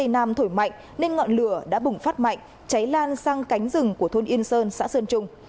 nam thổi mạnh nên ngọn lửa đã bùng phát mạnh cháy lan sang cánh rừng của thôn yên sơn xã sơn trung